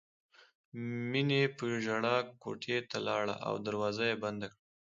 مینې په ژړا کوټې ته لاړه او دروازه یې بنده کړه